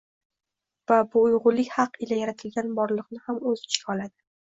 va bu uyg‘unlik haq ila yaratilgan borliqni ham o‘z ichiga oladi.